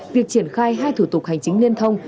việc triển khai hai thủ tục hành chính liên thông